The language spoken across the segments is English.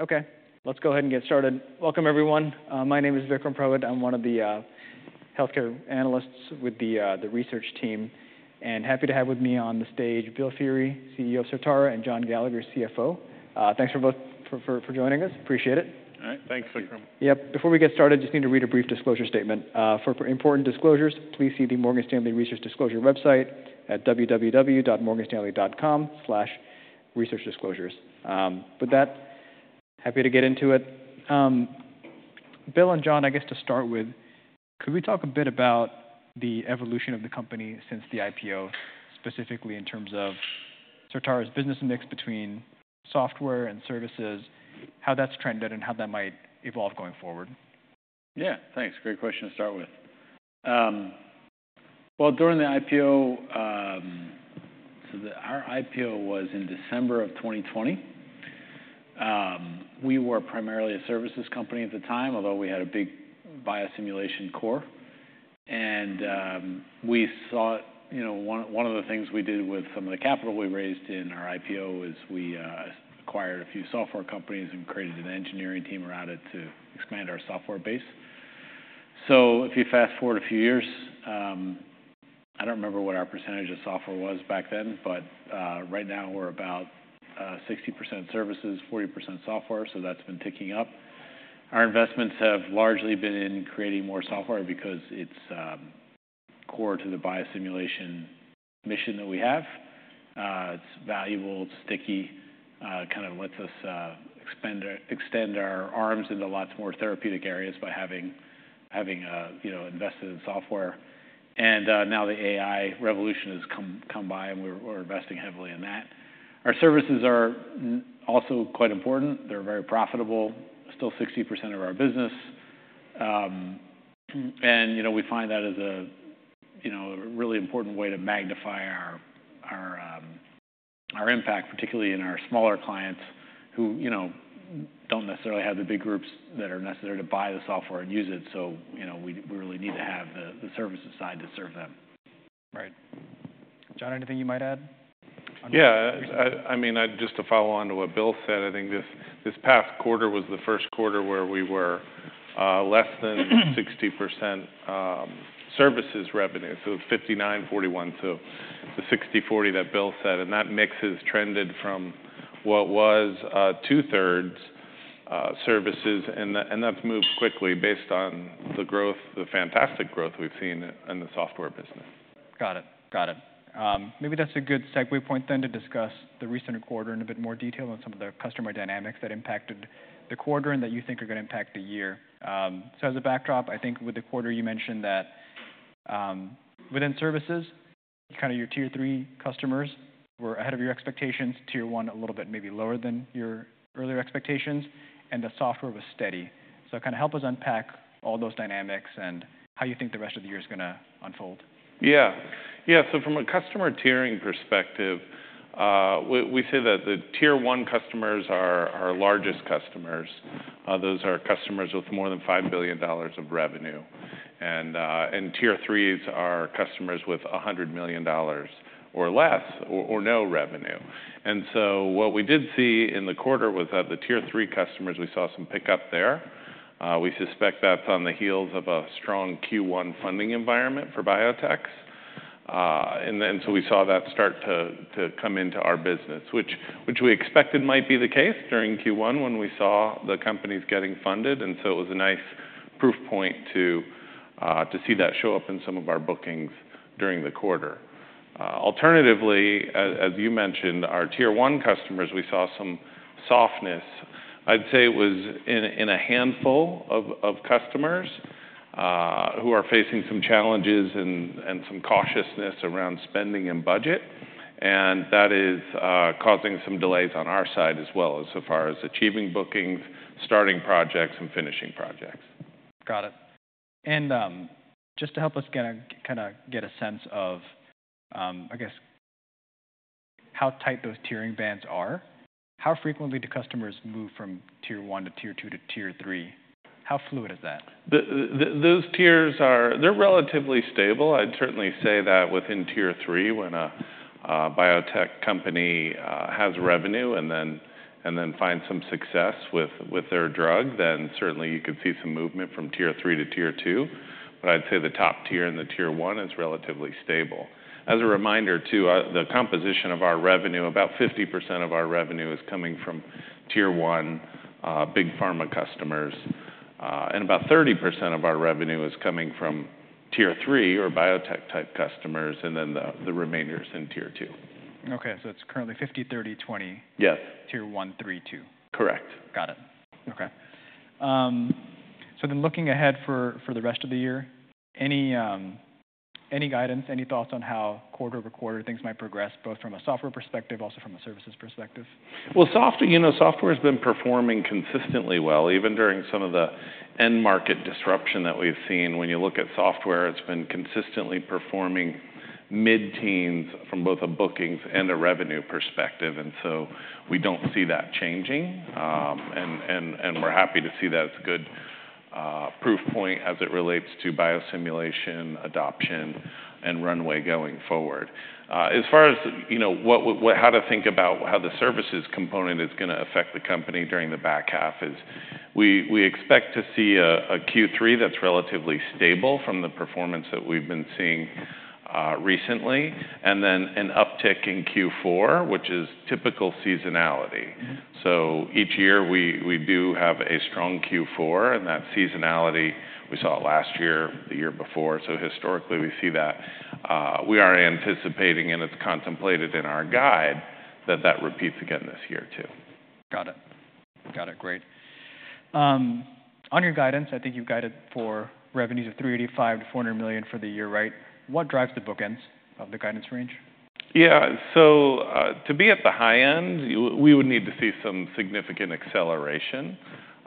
Okay, let's go ahead and get started. Welcome, everyone. My name is Vikram Purohit. I'm one of the healthcare analysts with the research team, and happy to have with me on the stage Bill Feehery, CEO of Certara, and John Gallagher, CFO. Thanks for both for joining us. Appreciate it. All right. Thanks, Vikram. Yep. Before we get started, just need to read a brief disclosure statement. For important disclosures, please see the Morgan Stanley Research Disclosure website at www.morganstanley.com/researchdisclosures. With that, happy to get into it. Bill and John, I guess to start with, could we talk a bit about the evolution of the company since the IPO, specifically in terms of Certara's business mix between software and services, how that's trended, and how that might evolve going forward? Yeah, thanks. Great question to start with. Well, during the IPO, so our IPO was in December of 2020. We were primarily a services company at the time, although we had a big biosimulation core. And we saw. You know, one of the things we did with some of the capital we raised in our IPO is we acquired a few software companies and created an engineering team around it to expand our software base. So if you fast-forward a few years, I don't remember what our percentage of software was back then, but right now we're about 60% services, 40% software, so that's been ticking up. Our investments have largely been in creating more software because it's core to the biosimulation mission that we have. It's valuable, it's sticky, it kind of lets us extend our arms into lots more therapeutic areas by having you know invested in software. And now the AI revolution has come by, and we're investing heavily in that. Our services are also quite important. They're very profitable, still 60% of our business. And you know we find that as a you know a really important way to magnify our impact, particularly in our smaller clients, who you know don't necessarily have the big groups that are necessary to buy the software and use it, so you know we really need to have the services side to serve them. Right. John, anything you might add? Yeah. I mean, just to follow on to what Bill said, I think this past quarter was the first quarter where we were less than 60% services revenue, so 59-41, so the 60-40 that Bill said. And that mix has trended from what was two-thirds services, and that's moved quickly based on the growth, the fantastic growth we've seen in the software business. Got it. Got it. Maybe that's a good segue point then to discuss the recent quarter in a bit more detail on some of the customer dynamics that impacted the quarter and that you think are gonna impact the year. So as a backdrop, I think with the quarter, you mentioned that, within services, kinda your Tier 3 customers were ahead of your expectations, Tier 1, a little bit maybe lower than your earlier expectations, and the software was steady. So kinda help us unpack all those dynamics and how you think the rest of the year is gonna unfold. Yeah. Yeah, so from a customer tiering perspective, we say that the Tier 1 customers are our largest customers. Those are customers with more than $5 billion of revenue. And Tier 3 are customers with $100 million or less or no revenue. And so what we did see in the quarter was that the Tier 3 customers, we saw some pickup there. We suspect that's on the heels of a strong Q1 funding environment for biotechs. And then, so we saw that start to come into our business, which we expected might be the case during Q1 when we saw the companies getting funded, and so it was a nice proof point to see that show up in some of our bookings during the quarter. Alternatively, as you mentioned, our Tier 1 customers, we saw some softness. I'd say it was in a handful of customers who are facing some challenges and some cautiousness around spending and budget, and that is causing some delays on our side as well, as far as achieving bookings, starting projects, and finishing projects. Got it. And, just to help us kinda get a sense of, I guess, how tight those tiering bands are, how frequently do customers move from Tier 1 to Tier 2 to Tier 3? How fluid is that? Those tiers are... They're relatively stable. I'd certainly say that within Tier 3, when a biotech company has revenue and then finds some success with their drug, then certainly you could see some movement from Tier 3s to Tier 2. But I'd say the top tier and the Tier 1 is relatively stable. As a reminder, too, the composition of our revenue, about 50% of our revenue is coming from Tier 1 big pharma customers, and about 30% of our revenue is coming from Tier 3 or biotech-type customers, and then the remainder is in Tier 2. Okay, so it's currently 50, 30, 20- Yes. Tier 1, 3, 2. Correct. Got it. Okay. So then looking ahead for, for the rest of the year, any, any guidance, any thoughts on how quarter over quarter things might progress, both from a software perspective, also from a services perspective? You know, software's been performing consistently well, even during some of the end market disruption that we've seen. When you look at software, it's been consistently performing mid-teens from both a bookings and a revenue perspective, and so we don't see that changing. We're happy to see that as a good proof point as it relates to biosimulation, adoption, and runway going forward. As far as, you know, how to think about how the services component is going to affect the company during the back half is we expect to see a Q3 that's relatively stable from the performance that we've been seeing, recently, and then an uptick in Q4, which is typical seasonality. Mm-hmm. So each year, we do have a strong Q4, and that seasonality, we saw it last year, the year before. So historically, we see that, we are anticipating, and it's contemplated in our guide, that that repeats again this year, too. Got it. Got it, great. On your guidance, I think you've guided for revenues of $385 million-$400 million for the year, right? What drives the bookends of the guidance range? Yeah. So, to be at the high end, we would need to see some significant acceleration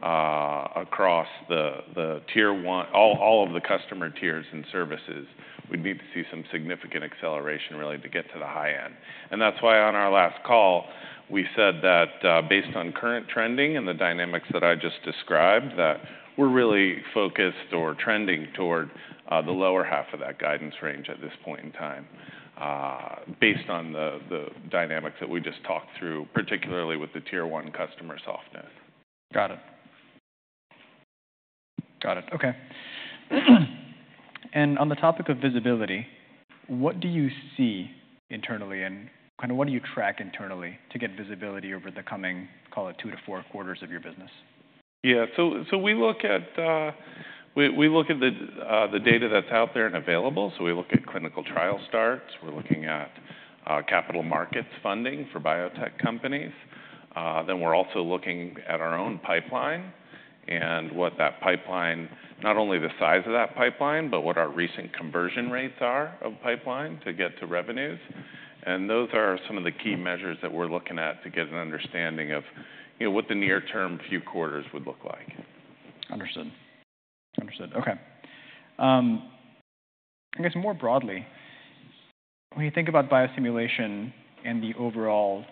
across the Tier 1. All of the customer tiers and services, we'd need to see some significant acceleration really to get to the high end. And that's why on our last call, we said that, based on current trending and the dynamics that I just described, that we're really focused or trending toward the lower half of that guidance range at this point in time, based on the dynamics that we just talked through, particularly with the Tier 1 customer softness. Got it. Got it, okay, and on the topic of visibility, what do you see internally, and kind of what do you track internally to get visibility over the coming, call it, two to four quarters of your business? Yeah. We look at the data that's out there and available, so we look at clinical trial starts. We're looking at capital markets funding for biotech companies, then we're also looking at our own pipeline and what that pipeline, not only the size of that pipeline, but what our recent conversion rates are of pipeline to get to revenues, and those are some of the key measures that we're looking at to get an understanding of, you know, what the near-term few quarters would look like. Understood. Understood, okay. I guess more broadly, when you think about biosimulation and the overall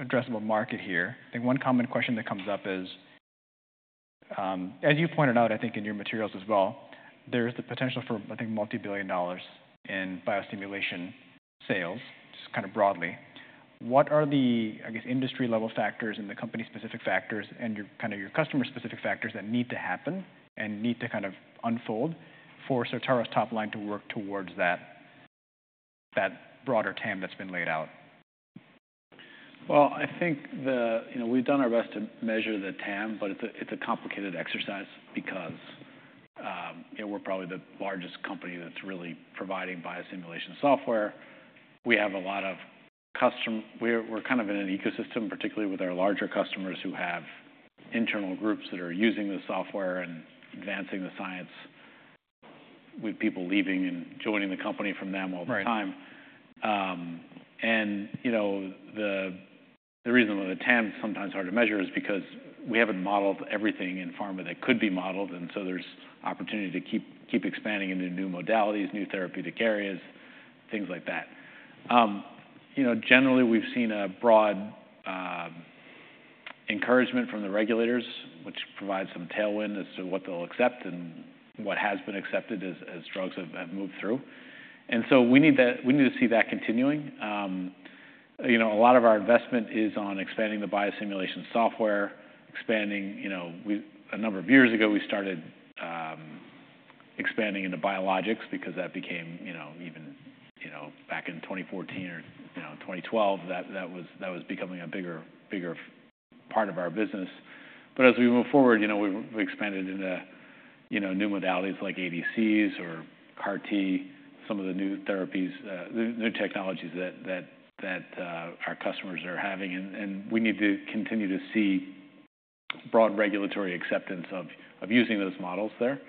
addressable market here, I think one common question that comes up is, As you pointed out, I think in your materials as well, there is the potential for, I think, multibillion dollars in biosimulation sales, just kind of broadly. What are the, I guess, industry-level factors and the company-specific factors and your, kind of your customer-specific factors that need to happen and need to kind of unfold for Certara's top line to work towards that, that broader TAM that's been laid out? I think. You know, we've done our best to measure the TAM, but it's a, it's a complicated exercise because, you know, we're probably the largest company that's really providing biosimulation software. We have a lot of custom. We're, we're kind of in an ecosystem, particularly with our larger customers, who have internal groups that are using the software and advancing the science with people leaving and joining the company from them all the time. Right. And, you know, the reason why the TAM is sometimes hard to measure is because we haven't modeled everything in pharma that could be modeled, and so there's opportunity to keep expanding into new modalities, new therapeutic areas, things like that. You know, generally, we've seen a broad encouragement from the regulators, which provides some tailwind as to what they'll accept and what has been accepted as drugs have moved through. So we need to see that continuing. You know, a lot of our investment is on expanding the biosimulation software, expanding, you know. A number of years ago, we started expanding into biologics because that became, you know, even back in 2014 or 2012, that was becoming a bigger part of our business. But as we move forward, you know, we've expanded into, you know, new modalities like ADCs or CAR T, some of the new therapies, new technologies that our customers are having, and we need to continue to see broad regulatory acceptance of using those models there.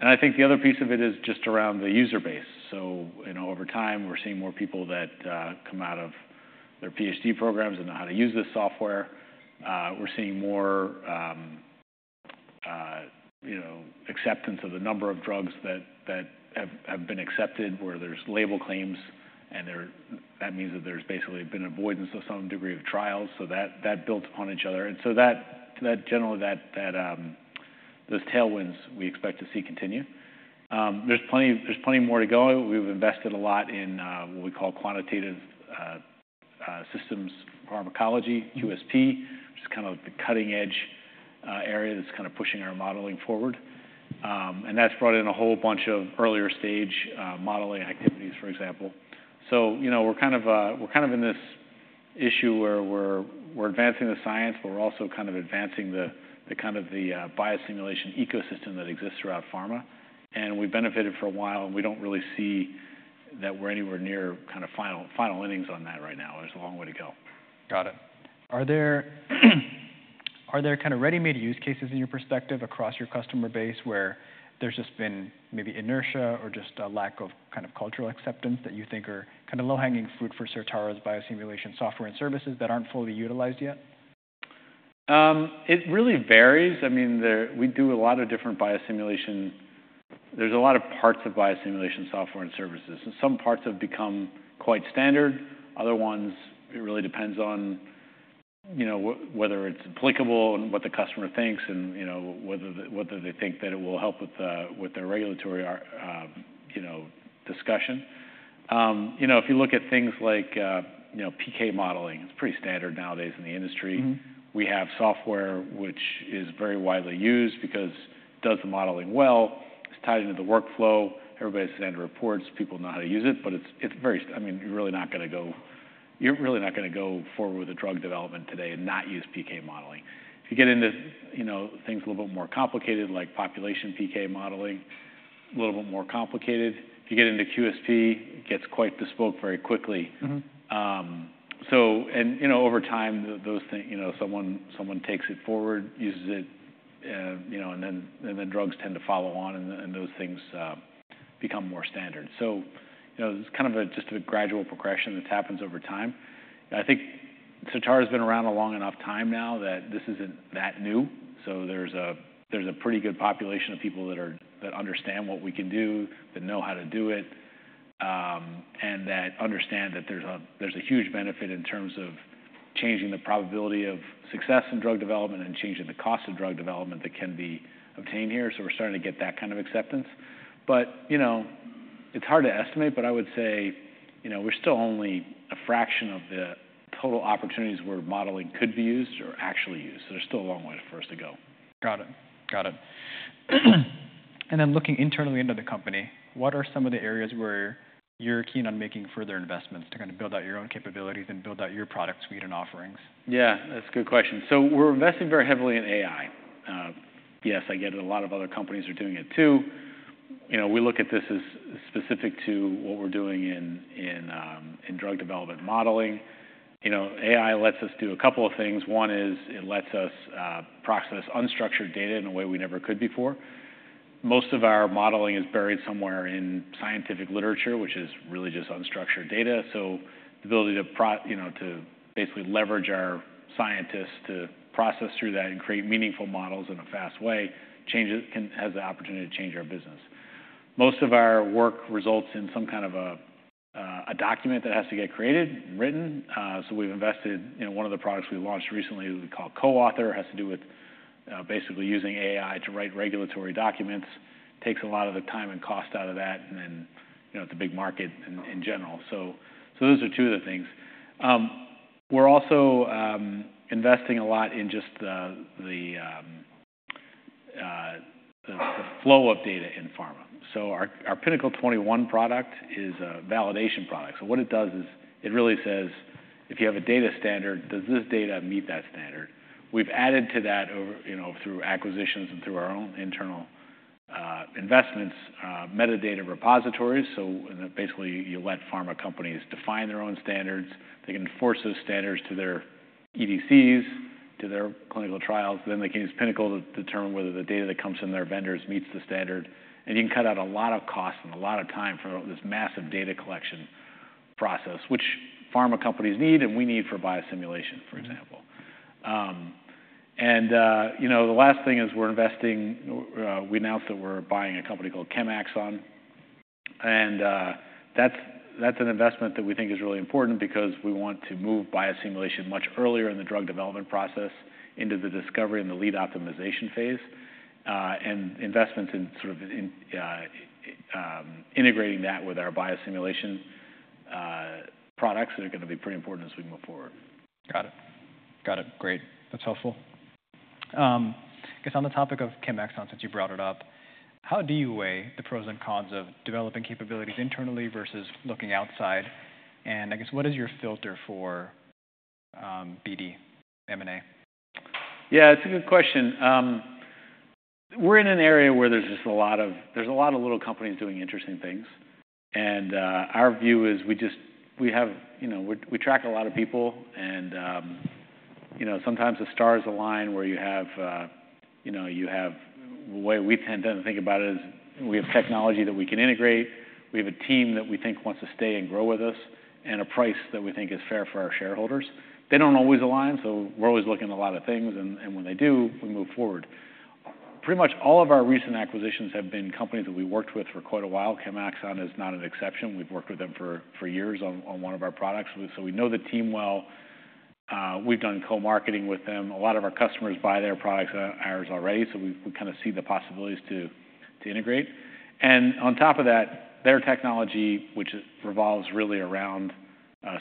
And I think the other piece of it is just around the user base. So, you know, over time, we're seeing more people that come out of their PhD programs and know how to use this software. We're seeing more, you know, acceptance of the number of drugs that have been accepted, where there's label claims. That means that there's basically been avoidance of some degree of trials, so that builds upon each other. And so that generally, those tailwinds we expect to see continue. There's plenty more to go. We've invested a lot in what we call quantitative systems pharmacology, QSP, which is kind of the cutting-edge area that's kind of pushing our modeling forward. And that's brought in a whole bunch of earlier stage modeling activities, for example. So, you know, we're kind of in this issue where we're advancing the science, but we're also kind of advancing the biosimulation ecosystem that exists throughout pharma. And we've benefited for a while, and we don't really see that we're anywhere near kind of final innings on that right now. There's a long way to go. Got it. Are there kind of ready-made use cases in your perspective across your customer base, where there's just been maybe inertia or just a lack of kind of cultural acceptance that you think are kind of low-hanging fruit for Certara's biosimulation software and services that aren't fully utilized yet? It really varies. I mean, there we do a lot of different biosimulation. There's a lot of parts of biosimulation software and services, and some parts have become quite standard. Other ones, it really depends on, you know, whether it's applicable and what the customer thinks and, you know, whether they think that it will help with their regulatory or, you know, discussion. You know, if you look at things like, you know, PK modeling, it's pretty standard nowadays in the industry. Mm-hmm. We have software which is very widely used because it does the modeling well. It's tied into the workflow. Everybody's standard reports, people know how to use it, but it's very. I mean, you're really not gonna go forward with a drug development today and not use PK modeling. If you get into, you know, things a little bit more complicated, like population PK modeling, a little bit more complicated. If you get into QSP, it gets quite bespoke very quickly. Mm-hmm. And, you know, over time, those things, you know, someone takes it forward, uses it, you know, and then drugs tend to follow on, and those things become more standard. So, you know, it's kind of just a gradual progression that happens over time. I think Certara has been around a long enough time now that this isn't that new. So there's a pretty good population of people that are that understand what we can do, that know how to do it, and that understand that there's a huge benefit in terms of changing the probability of success in drug development and changing the cost of drug development that can be obtained here. So we're starting to get that kind of acceptance. But, you know, it's hard to estimate, but I would say, you know, we're still only a fraction of the total opportunities where modeling could be used or actually used. So there's still a long way for us to go. Got it. Got it. And then looking internally into the company, what are some of the areas where you're keen on making further investments to kind of build out your own capabilities and build out your product suite and offerings? Yeah, that's a good question. So we're investing very heavily in AI. Yes, I get it, a lot of other companies are doing it, too. You know, we look at this as specific to what we're doing in drug development modeling. You know, AI lets us do a couple of things. One is it lets us process unstructured data in a way we never could before. Most of our modeling is buried somewhere in scientific literature, which is really just unstructured data. So the ability to, you know, to basically leverage our scientists to process through that and create meaningful models in a fast way, changes, can, has the opportunity to change our business. Most of our work results in some kind of a document that has to get created, written. So we've invested in one of the products we launched recently, we call CoAuthor. It has to do with, basically using AI to write regulatory documents. Takes a lot of the time and cost out of that, and then, you know, it's a big market in general. So those are two of the things. We're also investing a lot in just the flow of data in pharma. So our Pinnacle 21 product is a validation product. So what it does is it really says, if you have a data standard, does this data meet that standard? We've added to that over, you know, through acquisitions and through our own internal investments, metadata repositories. So basically, you let pharma companies define their own standards. They can enforce those standards to their EDCs, to their clinical trials. Then they can use Pinnacle to determine whether the data that comes from their vendors meets the standard, and you can cut out a lot of cost and a lot of time from this massive data collection process, which pharma companies need and we need for biosimulation, for example. Mm-hmm. You know, the last thing is we're investing. We announced that we're buying a company called ChemAxon, and that's an investment that we think is really important because we want to move biosimulation much earlier in the drug development process into the discovery and the lead optimization phase, and investments in sort of integrating that with our biosimulation products are gonna be pretty important as we move forward. Got it. Got it. Great, that's helpful. I guess on the topic of ChemAxon, since you brought it up, how do you weigh the pros and cons of developing capabilities internally versus looking outside? And I guess, what is your filter for, BD, M&A? Yeah, it's a good question. We're in an area where there's just a lot of little companies doing interesting things. And our view is we just have, you know, we track a lot of people and, you know, sometimes the stars align where you have, you know, the way we tend to think about it is, we have technology that we can integrate, we have a team that we think wants to stay and grow with us, and a price that we think is fair for our shareholders. They don't always align, so we're always looking at a lot of things, and when they do, we move forward. Pretty much all of our recent acquisitions have been companies that we worked with for quite a while. ChemAxon is not an exception. We've worked with them for years on one of our products, so we know the team well. We've done co-marketing with them. A lot of our customers buy their products and ours already, so we kinda see the possibilities to integrate. And on top of that, their technology, which revolves really around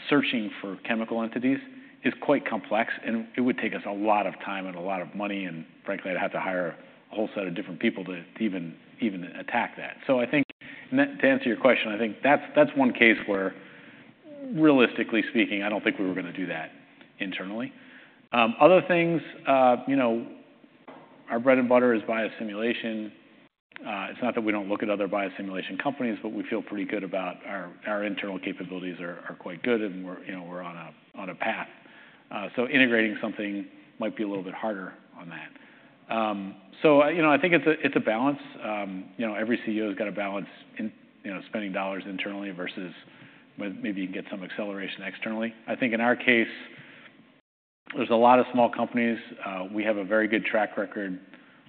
searching for chemical entities, is quite complex, and it would take us a lot of time and a lot of money, and frankly, I'd have to hire a whole set of different people to even attack that. So I think, and then to answer your question, I think that's one case where, realistically speaking, I don't think we were gonna do that internally. Other things, you know, our bread and butter is biosimulation. It's not that we don't look at other biosimulation companies, but we feel pretty good about our internal capabilities. Our internal capabilities are quite good, and we're, you know, on a path, so integrating something might be a little bit harder on that. You know, I think it's a balance. You know, every CEO has got to balance in, you know, spending dollars internally versus maybe you can get some acceleration externally. I think in our case there's a lot of small companies. We have a very good track record.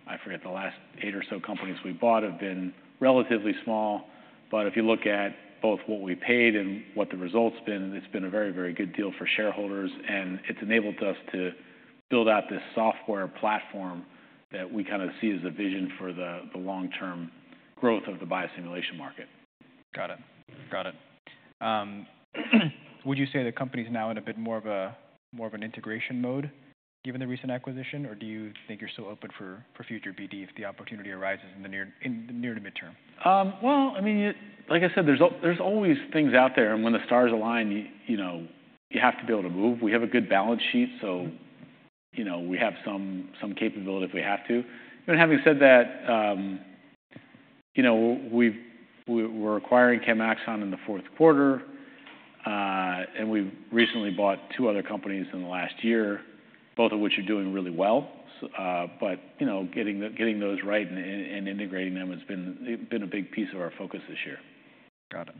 I forget, the last eight or so companies we bought have been relatively small, but if you look at both what we paid and what the result's been, it's been a very, very good deal for shareholders, and it's enabled us to build out this software platform that we kind of see as a vision for the long-term growth of the biosimulation market. Got it. Got it. Would you say the company's now in a bit more of a, more of an integration mode, given the recent acquisition? Or do you think you're still open for future BD if the opportunity arises in the near to midterm? Well, I mean, like I said, there's always things out there, and when the stars align, you know, you have to be able to move. We have a good balance sheet, so- Mm-hmm... you know, we have some capability if we have to. But having said that, you know, we're acquiring ChemAxon in the fourth quarter, and we've recently bought two other companies in the last year, both of which are doing really well. But you know, getting those right and integrating them has been a big piece of our focus this year. Got it.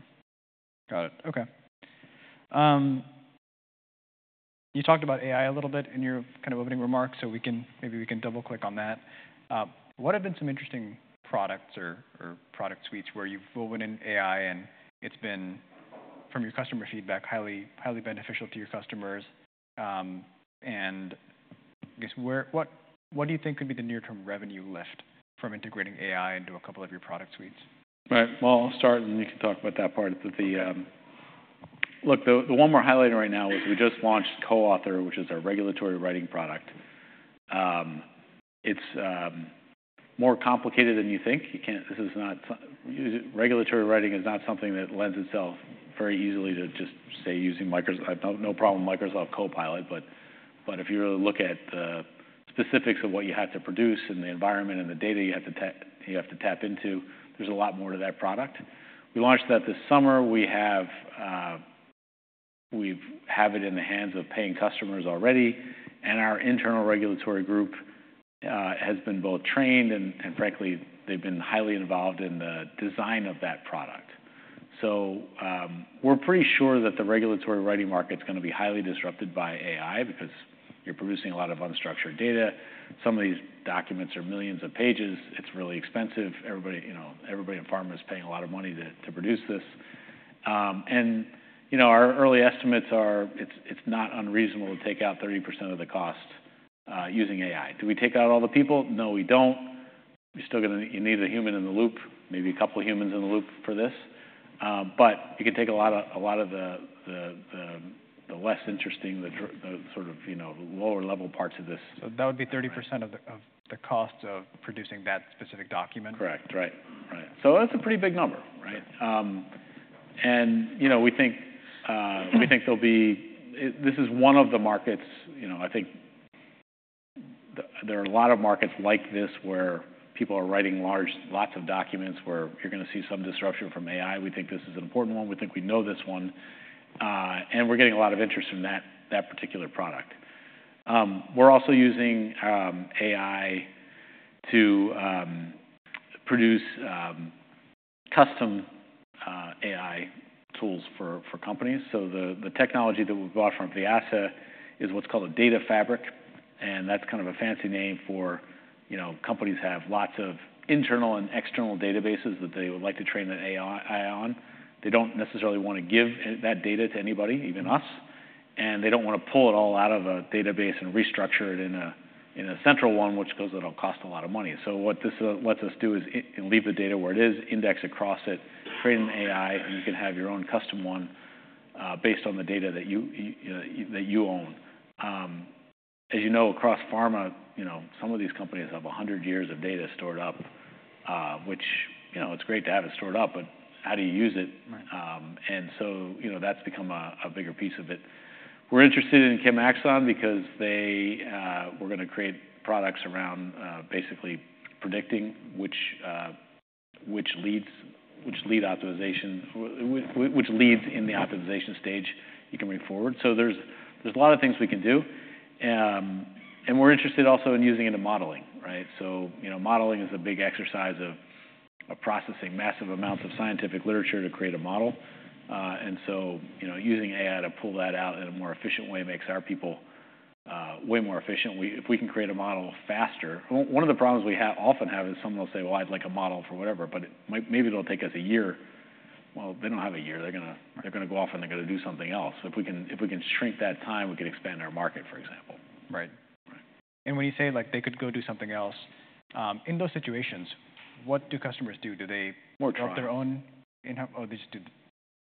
Got it. Okay. You talked about AI a little bit in your kind of opening remarks, so we can maybe double-click on that. What have been some interesting products or product suites where you've woven in AI, and it's been, from your customer feedback, highly, highly beneficial to your customers? And I guess, what do you think could be the near-term revenue lift from integrating AI into a couple of your product suites? Right. Well, I'll start, and you can talk about that part. But the one we're highlighting right now is we just launched CoAuthor, which is our regulatory writing product. It's more complicated than you think. You can't. This is not something. Regulatory writing is not something that lends itself very easily to just, say, using Microsoft. No, no problem, Microsoft Copilot. But if you were to look at the specifics of what you have to produce and the environment and the data you have to tap into, there's a lot more to that product. We launched that this summer. We have it in the hands of paying customers already, and our internal regulatory group has been both trained, and frankly, they've been highly involved in the design of that product. So, we're pretty sure that the regulatory writing market's gonna be highly disrupted by AI because you're producing a lot of unstructured data. Some of these documents are millions of pages. It's really expensive. Everybody, you know, everybody in pharma is paying a lot of money to produce this. And, you know, our early estimates are it's not unreasonable to take out 30% of the cost using AI. Do we take out all the people? No, we don't. You're still gonna you need a human in the loop, maybe a couple of humans in the loop for this. But you can take a lot of the less interesting, the sort of, you know, lower-level parts of this- So that would be 30% of the cost of producing that specific document? Correct. Right. Right. So that's a pretty big number, right? Right. And, you know, we think, we think there'll be... This is one of the markets, you know, I think there are a lot of markets like this, where people are writing lots of documents, where you're gonna see some disruption from AI. We think this is an important one. We think we know this one, and we're getting a lot of interest from that particular product. We're also using AI to produce custom AI tools for companies. So the technology that we've bought from Vyasa is what's called a data fabric, and that's kind of a fancy name for, you know, companies have lots of internal and external databases that they would like to train an AI on. They don't necessarily want to give that data to anybody, even us, and they don't want to pull it all out of a database and restructure it in a central one, which goes, it'll cost a lot of money. So what this lets us do is leave the data where it is, index across it, train an AI, and you can have your own custom one based on the data that you own. As you know, across pharma, you know, some of these companies have a hundred years of data stored up, which, you know, it's great to have it stored up, but how do you use it? Right. And so, you know, that's become a bigger piece of it. We're interested in ChemAxon because they, we're gonna create products around basically predicting which leads, which lead optimization, which leads in the optimization stage you can bring forward. So there's a lot of things we can do. And we're interested also in using it in modeling, right? So, you know, modeling is a big exercise of processing massive amounts of scientific literature to create a model. And so, you know, using AI to pull that out in a more efficient way makes our people way more efficient. If we can create a model faster... One of the problems we often have is someone will say, "Well, I'd like a model for whatever," but it might maybe it'll take us a year. Well, they don't have a year. Right. They're gonna go off, and they're gonna do something else. So if we can shrink that time, we can expand our market, for example. Right. Right. And when you say, like, they could go do something else, in those situations, what do customers do? Do they- More trials. -build their own in-house? Oh, they just do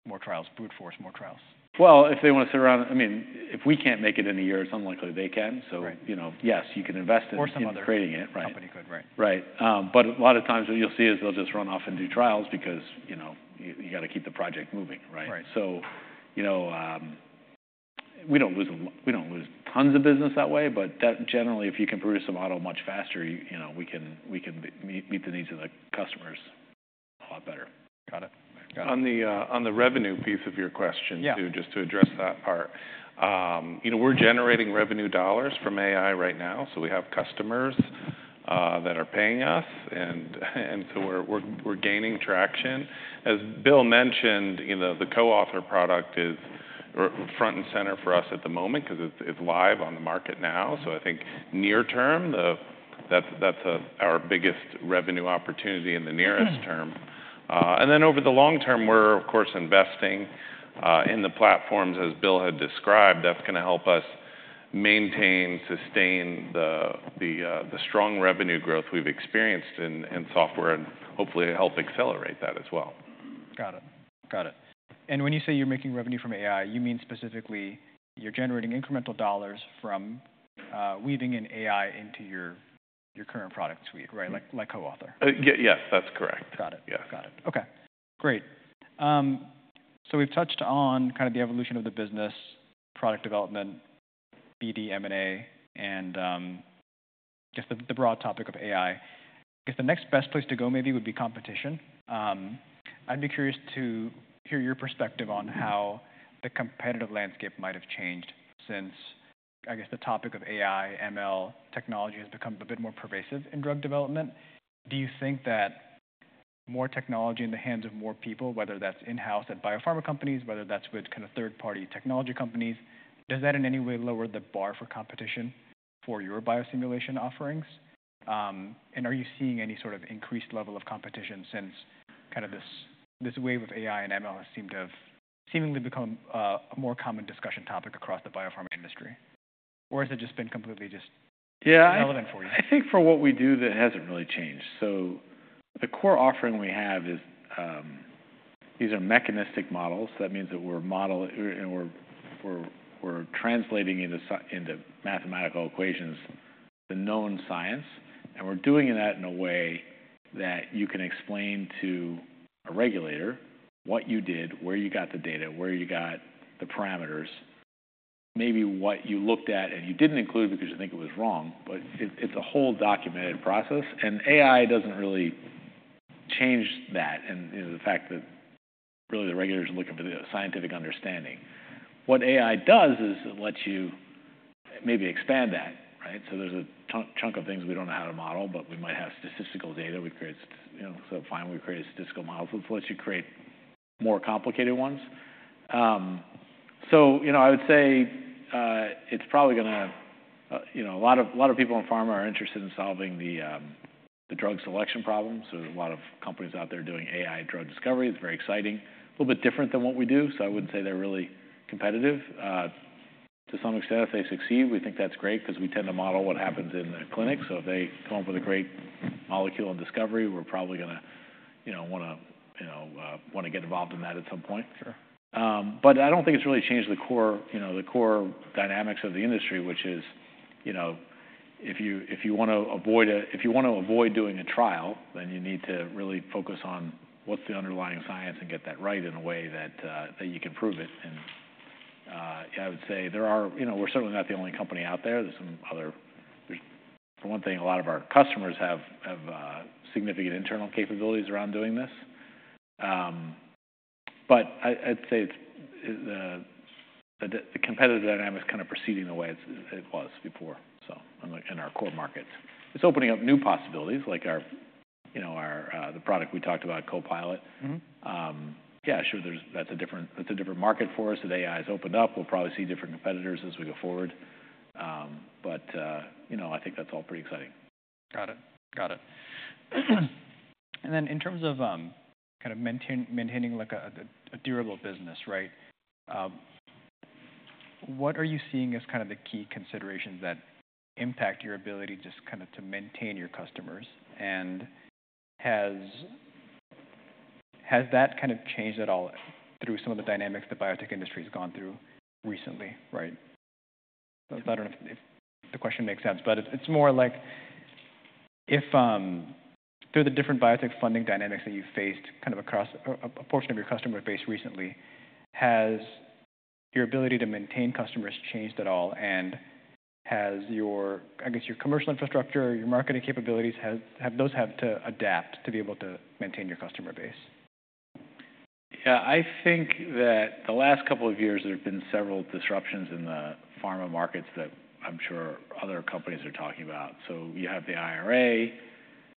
more trials, brute force, more trials. Well, if they want to sit around... I mean, if we can't make it in a year, it's unlikely they can. Right. So, you know, yes, you can invest in- Or some other- Creating it. Right. Company could, right. Right. But a lot of times what you'll see is they'll just run off and do trials because, you know, you got to keep the project moving, right? Right. You know, we don't lose tons of business that way, but generally, if you can produce a model much faster, you know, we can meet the needs of the customers a lot better. Got it. Got it. On the revenue piece of your question- Yeah... too, just to address that part. You know, we're generating revenue dollars from AI right now, so we have customers.... that are paying us, and so we're gaining traction. As Bill mentioned, you know, the CoAuthor product is front and center for us at the moment 'cause it's live on the market now. So I think near term, that's our biggest revenue opportunity in the nearest term. Hmm. And then over the long term, we're, of course, investing in the platforms, as Bill had described. That's gonna help us maintain, sustain the strong revenue growth we've experienced in software and hopefully to help accelerate that as well. Got it. Got it. And when you say you're making revenue from AI, you mean specifically you're generating incremental dollars from weaving in AI into your current product suite, right? Like CoAuthor. Yes, that's correct. Got it. Yeah. Got it. Okay, great. So we've touched on kind of the evolution of the business, product development, BD, M&A, and just the broad topic of AI. I guess the next best place to go maybe would be competition. I'd be curious to hear your perspective on how the competitive landscape might have changed since, I guess, the topic of AI, ML technology has become a bit more pervasive in drug development. Do you think that more technology in the hands of more people, whether that's in-house at biopharma companies, whether that's with kind of third-party technology companies, does that in any way lower the bar for competition for your biosimulation offerings? And are you seeing any sort of increased level of competition since kind of this wave of AI and ML has seemed to have seemingly become a more common discussion topic across the biopharma industry? Or has it just been completely just- Yeah... irrelevant for you? I think for what we do, that hasn't really changed, so the core offering we have is these are mechanistic models. That means that we're modeling and we're translating into mathematical equations, the known science, and we're doing that in a way that you can explain to a regulator what you did, where you got the data, where you got the parameters, maybe what you looked at, and you didn't include because you think it was wrong, but it's a whole documented process, and AI doesn't really change that, and you know, the fact that really the regulators are looking for the scientific understanding. What AI does is it lets you maybe expand that, right, so there's a chunk of things we don't know how to model, but we might have statistical data. We create, you know... So finally, we create a statistical model, which lets you create more complicated ones. So you know, I would say, it's probably gonna, you know, a lot of people in pharma are interested in solving the drug selection problem. So there's a lot of companies out there doing AI drug discovery. It's very exciting. A little bit different than what we do, so I wouldn't say they're really competitive. To some extent, if they succeed, we think that's great 'cause we tend to model what happens in the clinic. So if they come up with a great molecule and discovery, we're probably gonna, you know, wanna get involved in that at some point. Sure. But I don't think it's really changed the core, you know, the core dynamics of the industry, which is, you know, if you wanna avoid doing a trial, then you need to really focus on what's the underlying science and get that right in a way that you can prove it. And yeah, I would say there are. You know, we're certainly not the only company out there. There's some other. For one thing, a lot of our customers have significant internal capabilities around doing this. But I'd say it's the competitive dynamic is kind of proceeding the way it was before, so in our core markets. It's opening up new possibilities like our, you know, our the product we talked about, Copilot. Mm-hmm. Yeah, sure, that's a different market for us that AI has opened up. We'll probably see different competitors as we go forward. But, you know, I think that's all pretty exciting. Got it. Got it. And then in terms of kind of maintaining, like, a durable business, right, what are you seeing as kind of the key considerations that impact your ability just kind of to maintain your customers? And has that kind of changed at all through some of the dynamics the biotech industry has gone through recently, right? I don't know if the question makes sense, but it's more like if through the different biotech funding dynamics that you've faced, kind of across a portion of your customer base recently, has your ability to maintain customers changed at all? And has your, I guess, your commercial infrastructure or your marketing capabilities, have those had to adapt to be able to maintain your customer base? Yeah, I think that the last couple of years, there have been several disruptions in the pharma markets that I'm sure other companies are talking about. So you have the IRA, you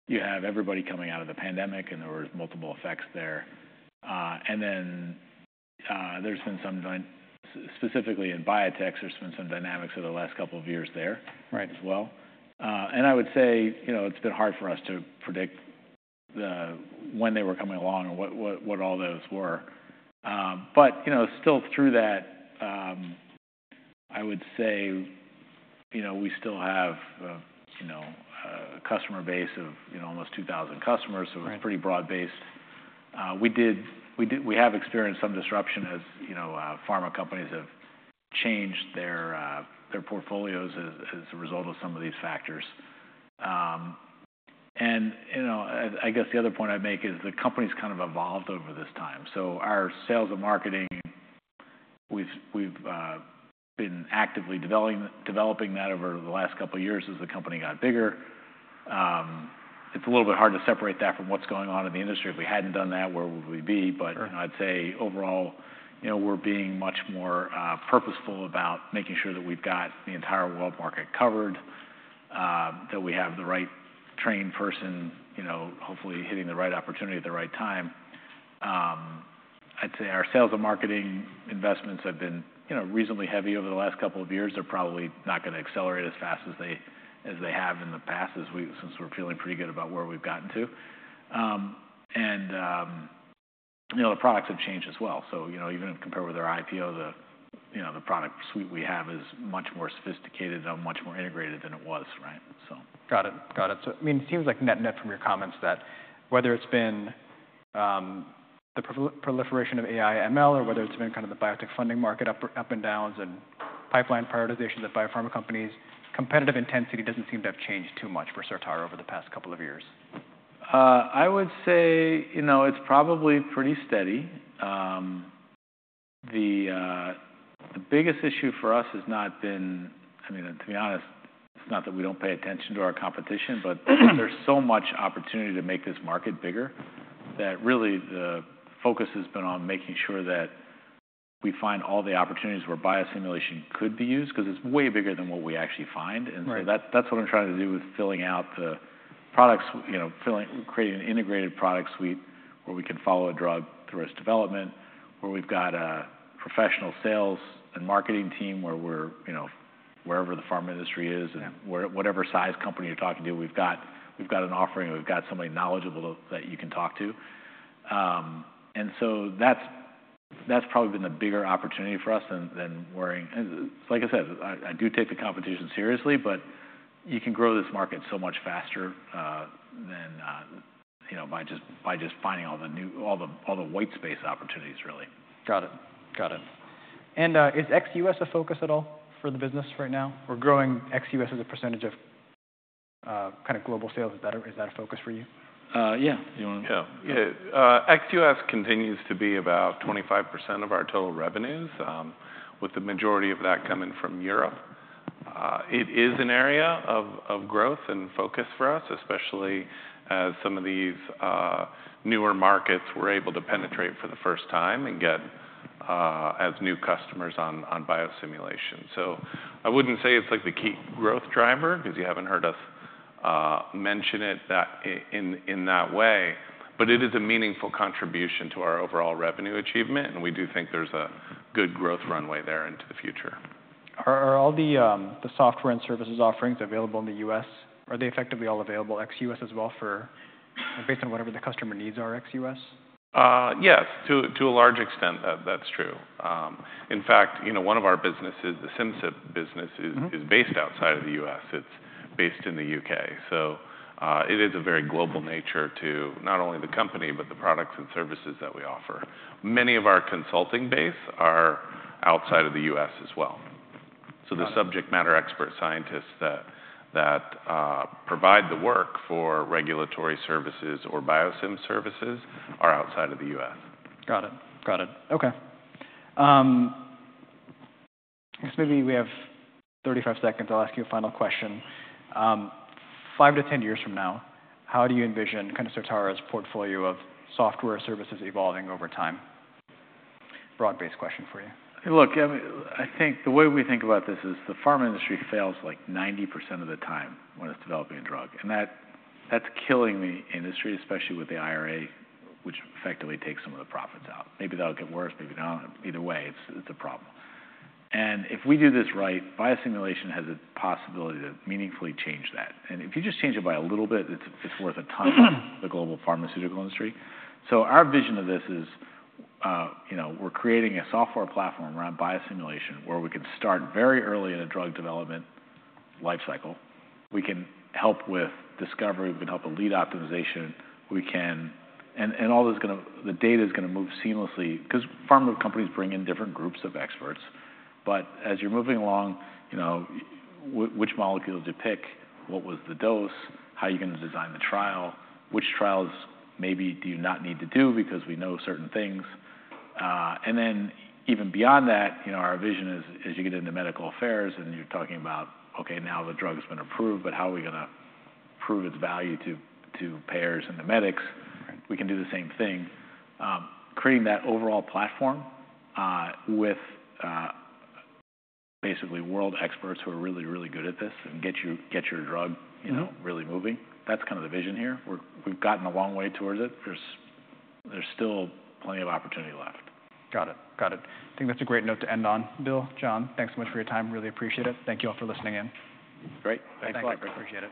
have everybody coming out of the pandemic, and there were multiple effects there, and then there's been some dynamics specifically in biotechs over the last couple of years there... Right... as well, and I would say, you know, it's been hard for us to predict when they were coming along or what all those were, but, you know, still through that, I would say, you know, we still have, you know, a customer base of, you know, almost 2,000 customers. Right. We're pretty broad-based. We have experienced some disruption as, you know, pharma companies have changed their portfolios as a result of some of these factors. You know, I guess the other point I'd make is the company's kind of evolved over this time. Our sales and marketing, we've been actively developing that over the last couple of years as the company got bigger. It's a little bit hard to separate that from what's going on in the industry. If we hadn't done that, where would we be? Sure. But I'd say overall, you know, we're being much more purposeful about making sure that we've got the entire world market covered, that we have the right trained person, you know, hopefully hitting the right opportunity at the right time. I'd say our sales and marketing investments have been, you know, reasonably heavy over the last couple of years. They're probably not gonna accelerate as fast as they have in the past, since we're feeling pretty good about where we've gotten to, and you know, the products have changed as well. So, you know, even if you compare with our IPO, you know, the product suite we have is much more sophisticated and much more integrated than it was, right? So- Got it. Got it. So, I mean, it seems like net-net from your comments that whether it's been the proliferation of AI, ML, or whether it's been kind of the biotech funding market ups and downs and pipeline prioritization that biopharma companies, competitive intensity doesn't seem to have changed too much for Certara over the past couple of years. I would say, you know, it's probably pretty steady. The biggest issue for us has not been... I mean, to be honest, it's not that we don't pay attention to our competition, but there's so much opportunity to make this market bigger, that really, the focus has been on making sure that we find all the opportunities where biosimulation could be used, 'cause it's way bigger than what we actually find. Right. And so that, that's what I'm trying to do with filling out the products, you know, creating an integrated product suite where we can follow a drug through its development, where we've got a professional sales and marketing team, where we're... You know, wherever the pharma industry is- Yeah... whatever size company you're talking to, we've got an offering, or we've got somebody knowledgeable that you can talk to. And so that's probably been the bigger opportunity for us than worrying. And like I said, I do take the competition seriously, but you can grow this market so much faster than you know, by just finding all the white space opportunities, really. Got it. Got it. And is ex-U.S. a focus at all for the business right now? Or growing ex-U.S. as a percentage of kind of global sales, is that a focus for you? Yeah. You wanna- Yeah. Yeah. Ex-U.S. continues to be about 25% of our total revenues, with the majority of that coming from Europe. It is an area of growth and focus for us, especially as some of these newer markets we're able to penetrate for the first time and get as new customers on biosimulation. So I wouldn't say it's like the key growth driver, 'cause you haven't heard us mention it in that way, but it is a meaningful contribution to our overall revenue achievement, and we do think there's a good growth runway there into the future. Are all the software and services offerings available in the U.S.? Are they effectively all available ex-U.S. as well based on whatever the customer needs are ex-U.S.? Yes, to a large extent, that's true. In fact, you know, one of our businesses, the Simcyp business- Mm-hmm... is based outside of the U.S., it's based in the U.K. So, it is a very global nature to not only the company but the products and services that we offer. Many of our consulting base are outside of the U.S. as well. Got it. The subject matter expert scientists that provide the work for regulatory services or biosim services are outside of the U.S. Got it. Got it. Okay. I guess maybe we have 35 seconds. I'll ask you a final question. Five to 10 years from now, how do you envision kind of Certara's portfolio of software services evolving over time? Broad-based question for you. Look, I think the way we think about this is the pharma industry fails, like, 90% of the time when it's developing a drug, and that, that's killing the industry, especially with the IRA, which effectively takes some of the profits out. Maybe that'll get worse, maybe not. Either way, it's a problem, and if we do this right, biosimulation has a possibility to meaningfully change that, and if you just change it by a little bit, it's worth a ton for the global pharmaceutical industry, so our vision of this is, you know, we're creating a software platform around biosimulation, where we can start very early in a drug development lifecycle. We can help with discovery, we can help with lead optimization, we can... All this is gonna, the data is gonna move seamlessly 'cause pharma companies bring in different groups of experts, but as you're moving along, you know, which molecule did you pick? What was the dose? How are you gonna design the trial? Which trials maybe do you not need to do because we know certain things, and then even beyond that, you know, our vision is, as you get into medical affairs and you're talking about, okay, now the drug has been approved, but how are we gonna prove its value to payers and the medics? Right. We can do the same thing. Creating that overall platform with basically world experts who are really, really good at this and get your drug- Mm-hmm... you know, really moving. That's kind of the vision here. We've gotten a long way towards it. There's still plenty of opportunity left. Got it. Got it. I think that's a great note to end on. Bill, John, thanks so much for your time. Really appreciate it. Thank you all for listening in. Great. Thanks a lot. Thank you. Appreciate it.